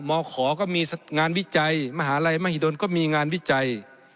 มขอก็มีงานวิจัยมหาลัยมหิดลก็มีงานวิจัย